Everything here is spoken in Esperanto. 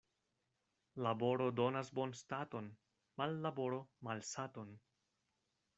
Laboro donas bonstaton, mallaboro malsaton.